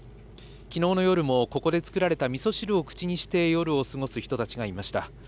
きのうの夜もここで作られたみそ汁を口にして、夜を過ごす人たちがいました。